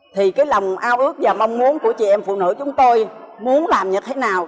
thì cái lòng ao ước và mong muốn của chị em phụ nữ chúng tôi muốn làm như thế nào